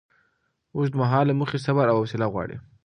اوږدمهاله موخې صبر او حوصله غواړي.